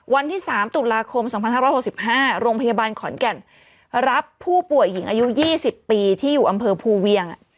วันที่๓ตุลาคม๒๕๖๕โรงพยาบาลขอนแก่นรับผู้ป่วยหญิงอายุ๒๐ปีที่อยู่อำเภอภูเวียง